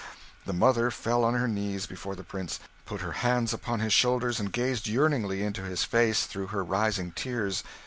The mother fell on her knees before the Prince, put her hands upon his shoulders, and gazed yearningly into his face through her rising tears.